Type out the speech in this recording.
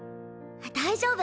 大丈夫。